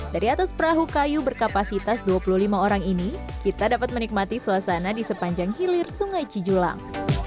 dari atas perahu kayu berkapasitas dua puluh lima orang ini kita dapat menikmati suasana di sepanjang hilir sungai cijulang